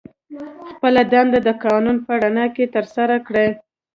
خپله دنده د قانون په رڼا کې ترسره کړي.